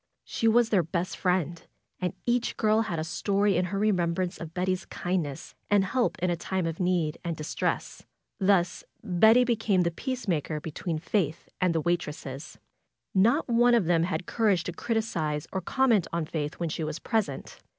She was their best friend, and each girl had a story in her remembrance of Betty's kindness and help in a time of need and dis tress. Thus Betty became the peacemaker between Faith and the waitresses. Not one of them had cour age to criticize or comment on Faith when she was pres ent.